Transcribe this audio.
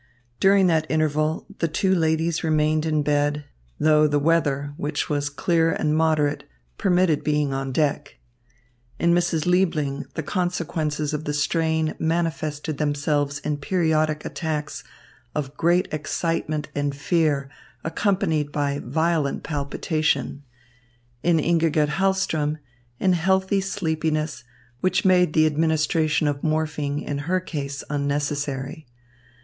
During that interval, the two ladies remained in bed, though the weather, which was clear and moderate, permitted being on deck. In Mrs. Liebling the consequences of the strain manifested themselves in periodic attacks of great excitement and fear accompanied by violent palpitation; in Ingigerd Hahlström, in healthy sleepiness, which made the administration of morphine in her case unnecessary.